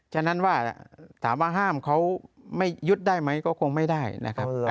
ฉะนั้นว่าถามว่าห้ามเขาไม่ยึดได้ไหมก็คงไม่ได้นะครับ